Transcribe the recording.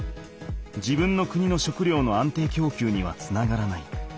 自分の国の食料の安定きょうきゅうにはつながらない。